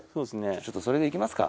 ちょっとそれで行きますか。